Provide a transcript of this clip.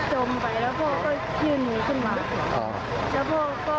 แล้วพ่อก็จมไปแล้วก็ยืนหนูขึ้นมา